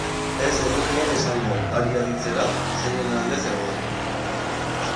Ez zenukeen esango, hari aditzera, zeinen alde zegoen.